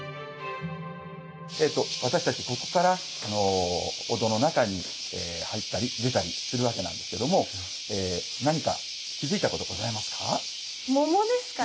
私たちここからお堂の中に入ったり出たりするわけなんですけども何か気付いたことございますか？